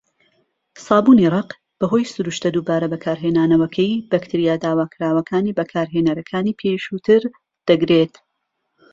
سابوونی ڕەق، بەهۆی سروشتە دووبارە بەکارهێنانەوەکەی، بەکتریا داواکراوەکانی بەکارهێنەرەکانی پێشووتر دەگرێت.